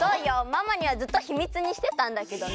ママにはずっとヒミツにしてたんだけどね。